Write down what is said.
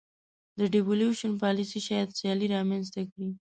د devaluation پالیسي شاید سیالي رامنځته کړي.